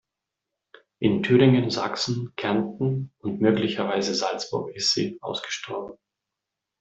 In Thüringen, Sachsen, Kärnten und möglicherweise Salzburg ist sie ausgestorben.